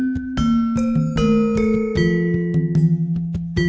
kepada mereka mereka tidak berhubung dengan kerajaan jawa